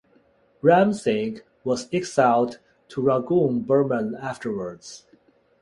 Ram Singh was exiled to Rangoon, Burma afterwards.